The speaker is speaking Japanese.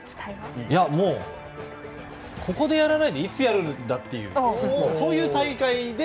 ここでやらないでいつやるんだというそういう大会で。